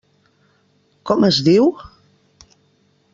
Com es diu?